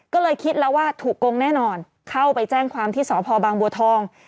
ก็เลยคิดแล้วว่าถูกโกงแน่นอนเข้าไปแจ้งความที่สพบางบัวทอง